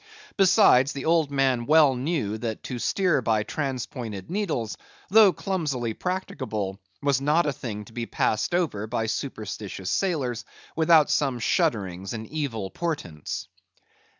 Besides, the old man well knew that to steer by transpointed needles, though clumsily practicable, was not a thing to be passed over by superstitious sailors, without some shudderings and evil portents.